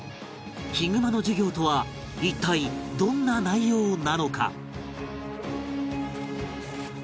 ヒグマの授業とは一体どんな内容なのか？